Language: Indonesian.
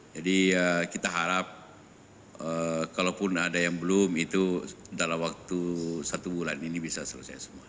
jadi kita harap kalaupun ada yang belum itu dalam waktu satu bulan ini bisa selesai semua